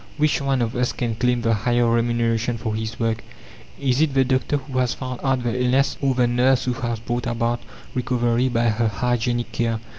Which one of us can claim the higher remuneration for his work? Is it the doctor who has found out the illness, or the nurse who has brought about recovery by her hygienic care?